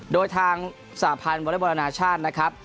โดยทางสาพันธ์วอเล็กบอลนาชาตินะครับ